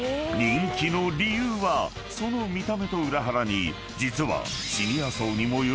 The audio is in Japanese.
［人気の理由はその見た目と裏腹に実は］